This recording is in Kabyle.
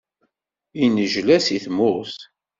Yennejla seg tmurt.